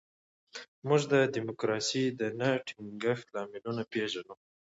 موږ د ډیموکراسۍ د نه ټینګښت لاملونه پېژنو.